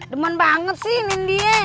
deman banget sih ini dia